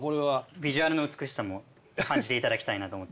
ビジュアルの美しさも感じていただきたいなと思って。